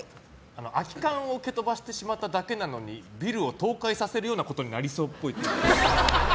空き缶を蹴飛ばしてしまっただけなのにビルを倒壊させるようなことになりそうっぽい。